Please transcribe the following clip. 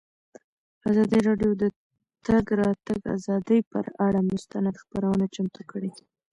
ازادي راډیو د د تګ راتګ ازادي پر اړه مستند خپرونه چمتو کړې.